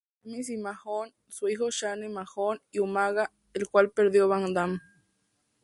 McMahon, su hijo Shane McMahon y Umaga, el cual perdió Van Dam.